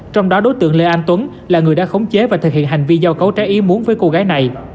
trong đó đối tượng lê anh tuấn là người đã khống chế và thực hiện hành vi giao cấu trái ý muốn với cô gái này